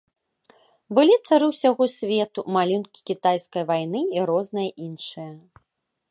Былі цары ўсяго свету, малюнкі кітайскай вайны і розныя іншыя.